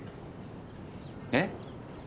えっ？